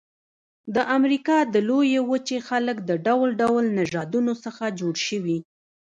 د امریکا د لویې وچې خلک د ډول ډول نژادونو څخه جوړ شوي.